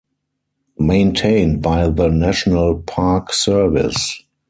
Maintained by the National Park Service.